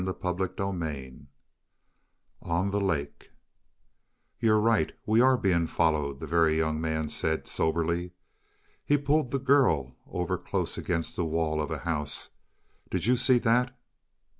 CHAPTER XXIX ON THE LAKE "You're right we are being followed," the Very Young Man said soberly. He had pulled the girl over close against the wall of a house. "Did you see that?"